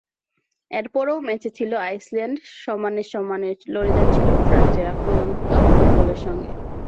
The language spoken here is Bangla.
এরপরও ম্যাচে ছিল আইসল্যান্ড, সমানে সমানে লড়ে যাচ্ছিল ফ্রান্সের আক্রমণাত্মক ফুটবলের সঙ্গে।